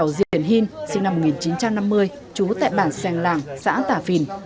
trẻo diễn hinh sinh năm một nghìn chín trăm năm mươi trú tại bản seng làng xã tạp vìn